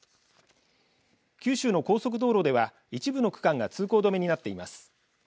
九州の高速道路では一部の区間が通行止めになっています。